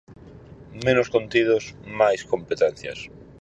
Menos contidos máis competencias.